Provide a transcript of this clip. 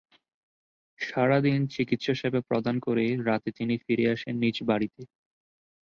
সারাদিন চিকিৎসা সেবা প্রদান করে রাতে তিনি ফিরে আসেন নিজ বাড়িতে।